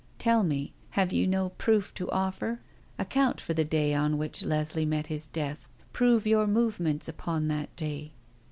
Tell me, have you no proof to offer? Account for the day on which Leslie met his death; prove your movements upon that day."